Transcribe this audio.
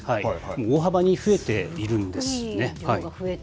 大幅に増えているんですね。